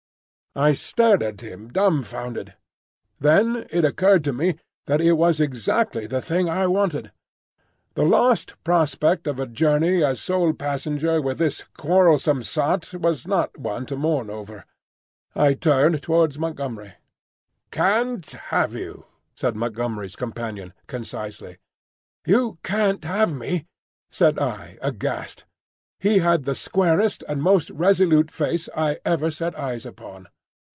I stared at him dumfounded. Then it occurred to me that it was exactly the thing I wanted. The lost prospect of a journey as sole passenger with this quarrelsome sot was not one to mourn over. I turned towards Montgomery. "Can't have you," said Montgomery's companion, concisely. "You can't have me!" said I, aghast. He had the squarest and most resolute face I ever set eyes upon.